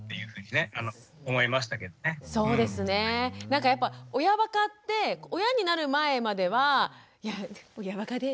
なんかやっぱ親ばかって親になる前までは「親ばかで」